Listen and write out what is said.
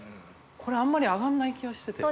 これあんまり上がんない気がしてて。